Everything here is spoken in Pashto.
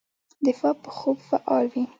دماغ په خوب فعال وي.